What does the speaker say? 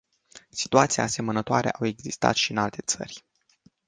Situații asemănătoare au existat și în alte țări.